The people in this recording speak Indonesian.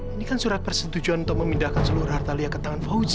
ini kan surat persetujuan untuk memindahkan seluruh harta lia ke tangan fawzi